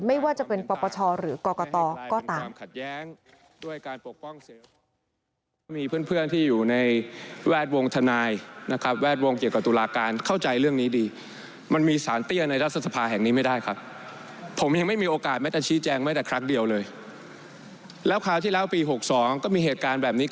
ไม่ว่าจะเป็นปปชหรือกรกตก็ตาม